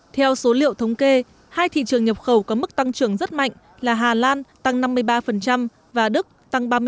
theo số liệu thống kê hai thị trường nhập khẩu có mức tăng trưởng rất mạnh là hà lan tăng năm mươi ba và đức tăng ba mươi bảy